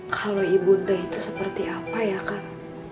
kalau ibunda itu seperti apa ya kak